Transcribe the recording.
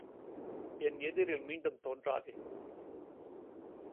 என் எதிரில் மீண்டும் தோன்றாதே!